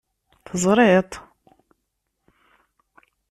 Terẓid-t?